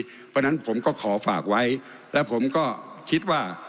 เพราะฉะนั้นผมก็ขอฝากไว้และผมก็คิดว่า